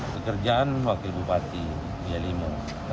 pekerjaan wakil bupati yalimo